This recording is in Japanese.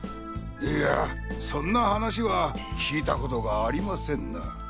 いやそんな話は聞いたことがありませんな。